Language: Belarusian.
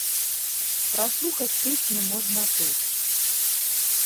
Праслухаць песню можна тут.